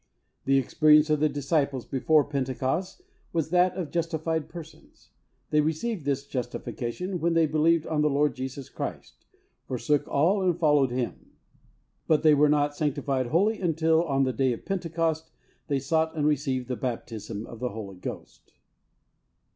The experience of the disciples before Pentecost was that of justified persons. They received this justification when they believed on the Lord Jesus Christ, forsook all and followed Him. But they were not sanctified wholly until on the day of Pentecost they sought and received the baptism of the Holy Ghost.